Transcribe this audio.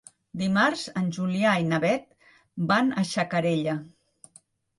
Dimarts en Julià i na Beth van a Xacarella.